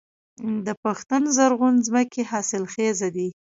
د پښتون زرغون ځمکې حاصلخیزه دي